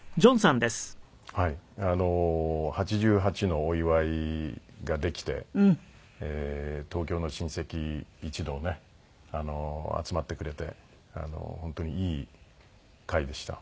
８８のお祝いができて東京の親戚一同ね集まってくれて本当にいい会でした。